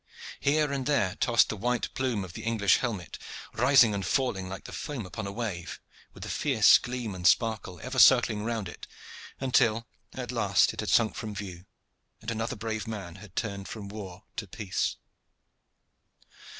Here and there tossed the white plume of the English helmet, rising and falling like the foam upon a wave, with the fierce gleam and sparkle ever circling round it until at last it had sunk from view, and another brave man had turned from war to peace.